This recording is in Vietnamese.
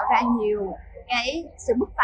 và tạo ra nhiều cái sự bức phá